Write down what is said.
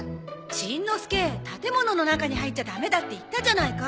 しんのすけ建物の中に入っちゃダメだって言ったじゃないか！